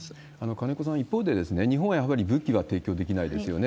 金子さん、一方で、日本はやはり武器は提供できないですよね。